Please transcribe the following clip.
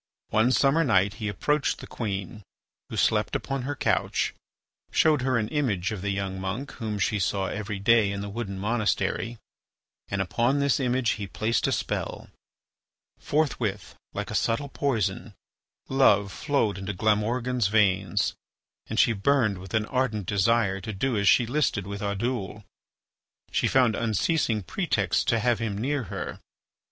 One summer night he approached the queen, who slept upon her couch, showed her an image of the young monk whom she saw every day in the wooden monastery, and upon this image he placed a spell. Forthwith, like a subtle poison, love flowed into Glamorgan's veins, and she burned with an ardent desire to do as she listed with Oddoul. She found unceasing pretexts to have him near her.